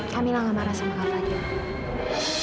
kak mila gak marah sama kak fadil